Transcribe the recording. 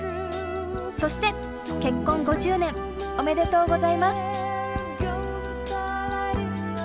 そして結婚５０年おめでとうございます！